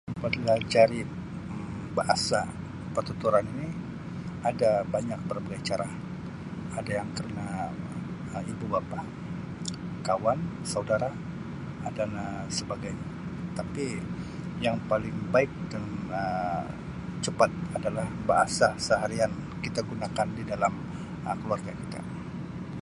[unintelligible] cari Um bahasa pertuturan ini ada banyak berbagai cara, ada yang kena ibu bapa, kawan, saudara dan Um sebagainya. Tapi yang paling baik dan Um cepat ialah bahasa seharian kita gunakan dalam keluarga kita.